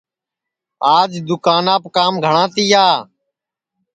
آج دؔوکاناپ کام گھٹؔا تیا